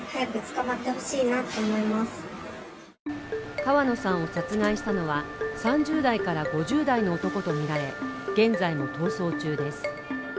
川野さんを殺害したのは３０代から５０代の男とみられ現在も逃走中です。